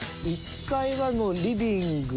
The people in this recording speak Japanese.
１階はもうリビング。